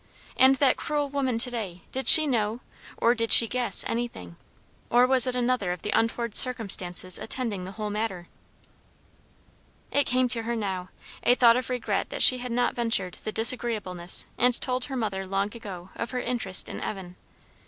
And that cruel woman to day! did she know, or did she guess, anything? or was it another of the untoward circumstances attending the whole matter? It came to her now, a thought of regret that she had not ventured the disagreeableness and told her mother long ago of her interest in Evan. Mrs.